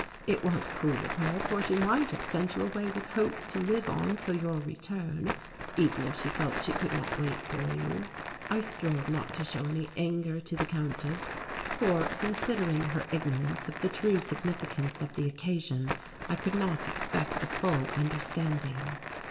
It was cruel of her, for she might have sent you away with hope to live on till your return, even if she felt she could not wait for you." I strove not to show my anger to the Countess, for, considering her ignorance of the true significance of the occasion, I could not expect a full understanding.